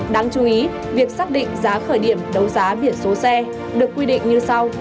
đáng chú ý việc xác định giá khởi điểm đấu giá biển số xe được quy định như sau